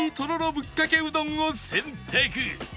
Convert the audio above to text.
ぶっかけうどんを選択